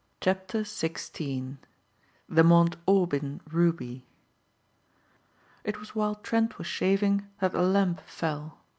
CHAPTER XVI THE MOUNT AUBYN RUBY IT was while Trent was shaving that the lamp fell.